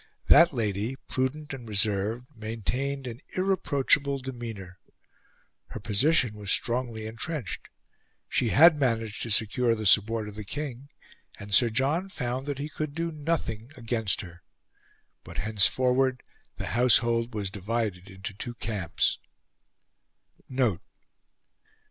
That lady, prudent and reserved, maintained an irreproachable demeanour. Her position was strongly entrenched; she had managed to secure the support of the King; and Sir John found that he could do nothing against her. But henceforward the household was divided into two camps.